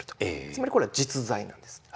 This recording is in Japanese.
つまりこれは実在なんですね。